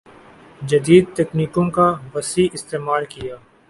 جدید تکنیکوں کا وسیع استعمال کِیا